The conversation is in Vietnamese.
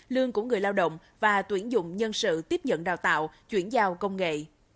lương của người lao động và tuyển dụng nhân sự tiếp nhận đào tạo chuyển giao công nghệ